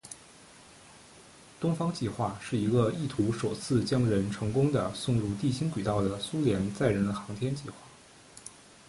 东方计划是一个意图首次将人成功地送入地心轨道的苏联载人航天计划。